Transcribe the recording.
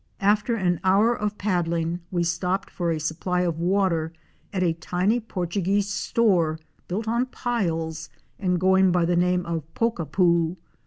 After an hour of paddling we stopped for a supply of water at a tiny Portuguese store built on piles, and going by the name of Poc a poo.